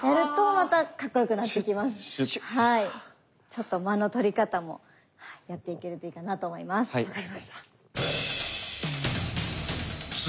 ちょっと間の取り方もやっていけるといいかなと思います。